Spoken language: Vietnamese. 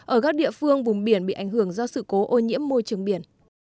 ở các địa phương vùng biển bị ảnh hưởng do sự cố ô nhiễm môi trường biển